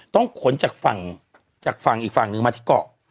ต้องขนจากฝั่งอีกฝั่งนึงมาที่เกาะ